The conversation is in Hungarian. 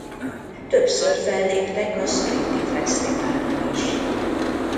Többször felléptek a spliti fesztiválon is.